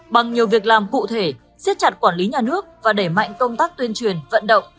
bằng nhiều việc làm cụ thể siết chặt quản lý nhà nước và đẩy mạnh công tác tuyên truyền vận động